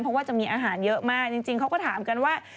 เพราะว่าจะมีอาหารเยอะมากจริงเขาก็ถามกันว่า